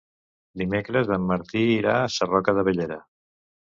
Dimecres en Martí irà a Sarroca de Bellera.